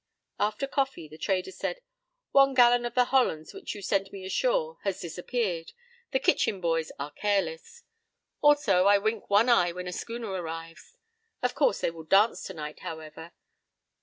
p> After coffee the trader said: "One gallon of the Hollands which you sent me ashore has disappeared. The kitchen boys are 'careless.' Also I wink one eye when a schooner arrives. Of course they will dance tonight, however.